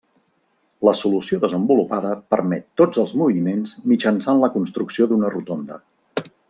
La solució desenvolupada permet tots els moviments mitjançant la construcció d'una rotonda.